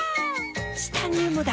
チタニウムだ！